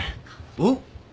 おっ？